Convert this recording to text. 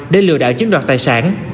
để lừa đảo chiếm đoạt tài sản